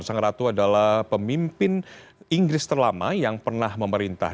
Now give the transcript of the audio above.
sang ratu adalah pemimpin inggris terlama yang pernah memerintah